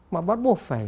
mà bắt buộc phải